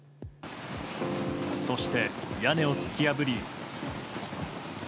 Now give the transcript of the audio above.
そして、屋根を突き破り。